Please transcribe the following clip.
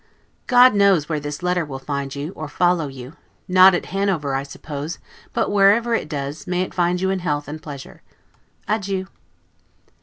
God knows where this letter will find you, or follow you; not at Hanover, I suppose; but wherever it does, may it find you in health and pleasure! Adieu.